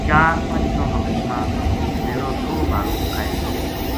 چار پنج سو بکری ما میر و سو بھارو آئے تھو